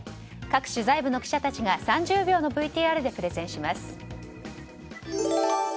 各取材部の記者が３０秒でプレゼンします。